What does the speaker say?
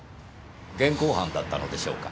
現行犯だったのでしょうか？